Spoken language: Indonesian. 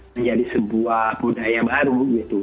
menjadi sebuah budaya baru gitu